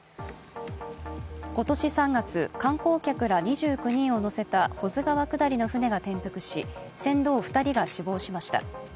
今年３月、観光客ら２９人を乗せた保津川下りの船が転覆し船頭２人が死亡しました。